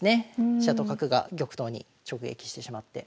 飛車と角が玉頭に直撃してしまって。